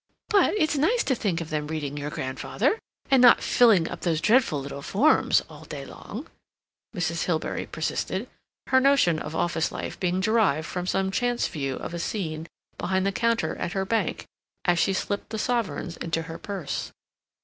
"But it's nice to think of them reading your grandfather, and not filling up those dreadful little forms all day long," Mrs. Hilbery persisted, her notion of office life being derived from some chance view of a scene behind the counter at her bank, as she slipped the sovereigns into her purse.